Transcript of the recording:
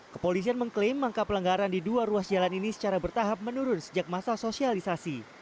kepolisian mengklaim angka pelanggaran di dua ruas jalan ini secara bertahap menurun sejak masa sosialisasi